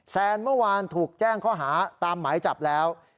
แซนเมื่อวานถูกแจ้งข้อหาตามหมายจับแล้ว